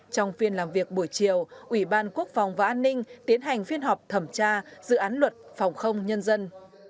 trong phiên làm việc buổi chiều ủy ban quốc phòng và an ninh tiến hành phiên họp thẩm tra dự án luật phòng không nhân dân